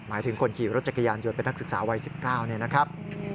หมายถึงคนขี่รถจักรยานยนต์เป็นนักศึกษาวัย๑๙เนี่ยนะครับ